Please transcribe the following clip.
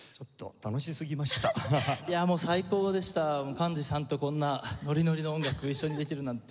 幹二さんとこんなノリノリの音楽を一緒にできるなんて。